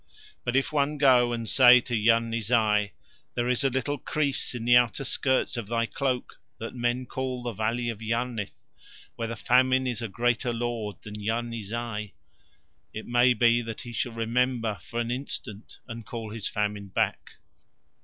But if one go and say to Yarni Zai: 'There is a little crease in the outer skirts of thy cloak that men call the valley of Yarnith, where the Famine is a greater lord than Yarni Zai,' it may be that he shall remember for an instant and call his Famine back."